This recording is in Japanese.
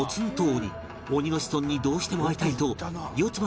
鬼の子孫にどうしても会いたいとよつば